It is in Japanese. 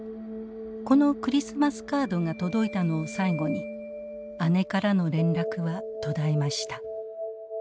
このクリスマスカードが届いたのを最後に姉からの連絡は途絶えました。